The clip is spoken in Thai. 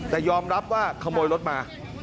แต่ยอมรับว่าขโมยรถมา